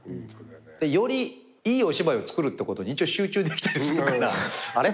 よりいいお芝居を作るってことに集中できたりするからあれ？